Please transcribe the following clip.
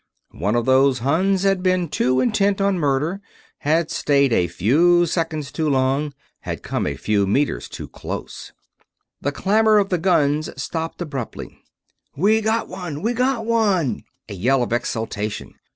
One of those Huns had been too intent on murder; had stayed a few seconds too long; had come a few meters too close. The clamor of the guns stopped abruptly. "We got one! We got one!" a yell of exultation.